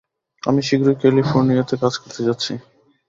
আমি শীঘ্রই ক্যালিফোর্নিয়াতে কাজ করতে যাচ্ছি।